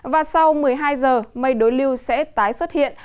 và sau một mươi hai giờ mây đối lưu sẽ tái xuất hiện